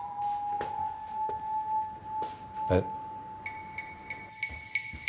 えっ？